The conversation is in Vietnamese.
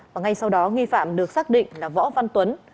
và ngay sau đó nghi phạm được xác định là võ văn tuấn